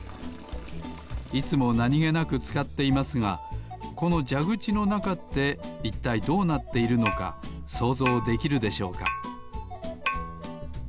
いつもなにげなくつかっていますがこのじゃぐちのなかっていったいどうなっているのかそうぞうできるでしょうか？